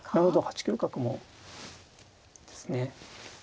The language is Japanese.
８九角もですね。